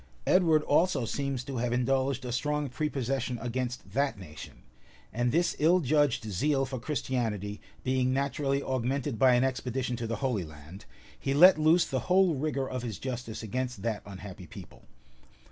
[] Edward also seems to have indulged a strong prepossession against that nation; and this ill judged zeal for Christianity being naturally augmented by an expedition to the Holy Land, he let loose the whole rigor of his justice against that unhappy people.